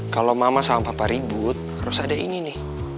kalau mama sama papa ribut harus ada ini nih